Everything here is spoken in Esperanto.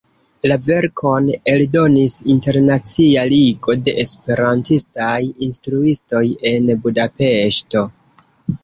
La verkon eldonis Internacia Ligo de Esperantistaj Instruistoj en Budapeŝto.